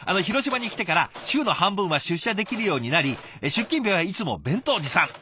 広島に来てから週の半分は出社できるようになり出勤日はいつも弁当持参。